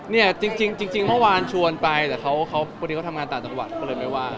เนี่ยจริงเมื่อวานชวนไปแต่เขาพอดีเขาทำงานต่างจังหวัดก็เลยไม่ว่า